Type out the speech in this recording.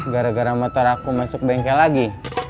gara gara motor aku masuk bengkel lagi